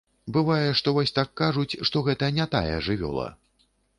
Бывае, што вось так кажуць, што гэта не тая жывёла.